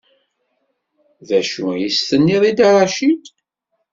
D acu i as-tenniḍ i Dda Racid?